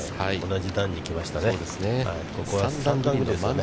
同じ段に来ましたね。